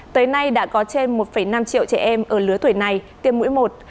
tới nay đã có trên một năm triệu trẻ em ở lứa tuổi này tiêm mũi một